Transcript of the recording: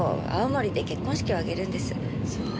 そう。